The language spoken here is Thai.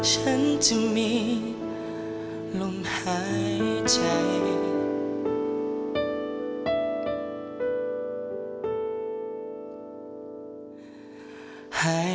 ฉันจึงมีลมหายใจ